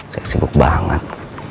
saya sibuk banget